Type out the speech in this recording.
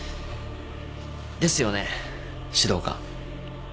ですよね指導官。